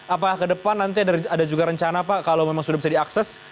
apakah ke depan nanti ada juga rencana pak kalau memang sudah bisa diakses